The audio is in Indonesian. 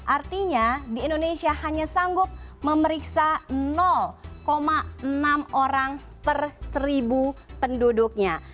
artinya di indonesia hanya sanggup memeriksa enam orang per seribu penduduknya